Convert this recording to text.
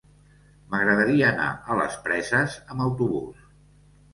M'agradaria anar a les Preses amb autobús.